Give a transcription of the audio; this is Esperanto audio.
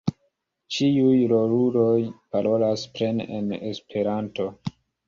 Ĉiuj roluloj parolas plene en Esperanto.